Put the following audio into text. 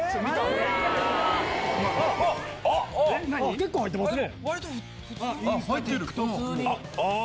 結構入ってますね。